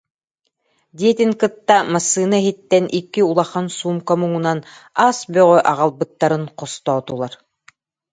диэтин кытта массыына иһиттэн икки улахан суумка муҥунан ас бөҕө аҕалбыттарын хостоотулар